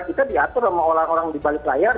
kita diatur sama orang orang di balik layar